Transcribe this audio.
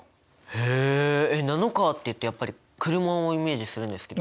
へえナノカーっていうとやっぱり車をイメージするんですけど。